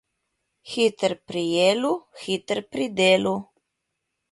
Hiter pri jelu, hiter pri delu.